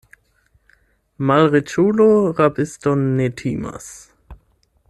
Malriĉulo rabiston ne timas.